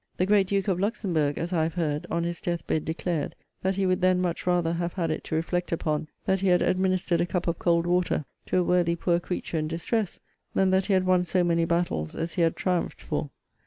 The great Duke of Luxemburgh, as I have heard, on his death bed, declared, that he would then much rather have had it to reflect upon, that he had administered a cup of cold water to a worthy poor creature in distress, than that he had won so many battles as he had triumphed for.